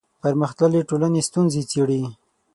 پرمختللې ټولنې ستونزې څېړي